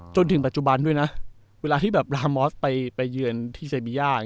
จนถึงปัจจุบันด้วยนะเวลาที่แบบลามอสไปเยือนที่เซบีย่า